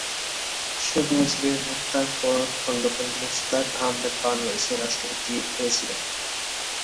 শেখ মুজিবের হত্যার পর খন্দকার মোশতাক আহমেদ বাংলাদেশের রাষ্ট্রপতি হয়েছিলেন।